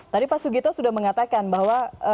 tadi pak sugito sudah mengatakan bahwa